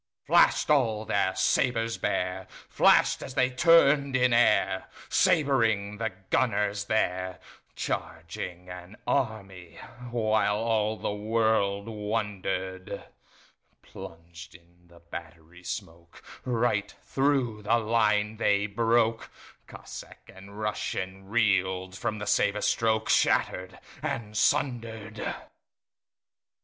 Flash'd all their sabres bare, Flash'd as they turn'd in airSabring the gunners there, Charging an army, whileAll the world wonder'd:Plunged in the battery smokeRight thro' the line they broke; Cossack and RussianReel'd from the sabre strokeShatter'd and sunder'd.